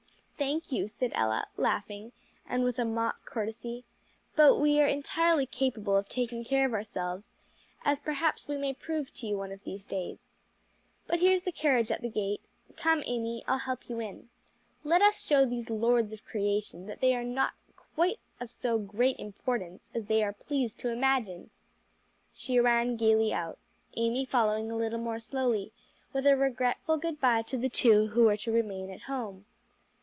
"Thank you," said Ella, laughing, and with a mock courtesy, "but we are entirely capable of taking care of ourselves, as perhaps we may prove to you one of these days. But here's the carriage at the gate. Come, Amy, I'll help you in. Let us show these lords of creation that they are of not quite so great importance as they are pleased to imagine." She ran gayly out, Amy following a little more slowly, with a regretful good bye to the two who were to remain at home.